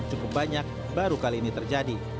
cukup banyak baru kali ini terjadi